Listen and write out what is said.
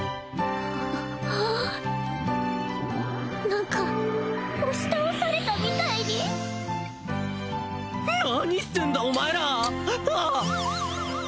何か押し倒されたみたいに何してんだお前らあっ！